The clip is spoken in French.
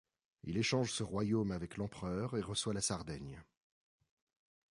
Il échange ce royaume avec l'empereur et reçoit la Sardaigne.